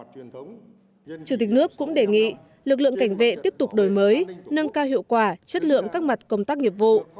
chủ tịch nước cũng đề nghị lực lượng cảnh vệ tiếp tục đổi mới nâng cao hiệu quả chất lượng các mặt công tác nghiệp vụ